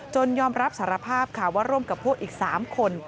ยอมรับสารภาพค่ะว่าร่วมกับพวกอีก๓คน